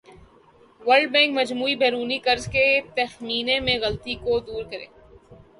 world Bank مجموعی بیرونی قرض کے تخمینے میں غلطی کو دور کرے